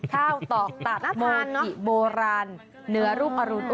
ข้าวตอกตัดโมกิโบราณเหนือรุ่นอรุณ